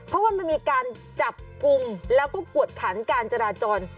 เพราะว่ามันมีการจับกลุ่มแล้วก็กวดขันการจราจร